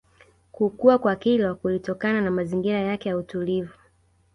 Kukua kwa Kilwa kulitokana na mazingira yake ya utulivu